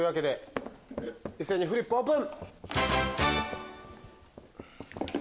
一斉にフリップオープン！